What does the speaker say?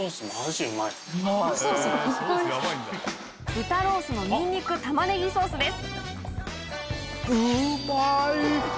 豚ロースのニンニクタマネギソースです。